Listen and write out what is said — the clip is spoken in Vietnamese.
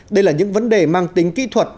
đây là những vấn đề mang tính kỹ thuật